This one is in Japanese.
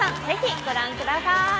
ぜひご覧ください。